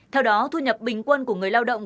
thu nhập bình quân của người lao động